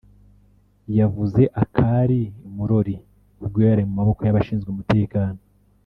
yavuze akari imurori ubwo yari mu maboko y’abashinzwe umutekano